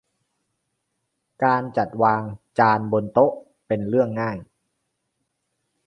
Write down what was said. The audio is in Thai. การจัดวางจานบนโต๊ะเป็นเรื่องง่าย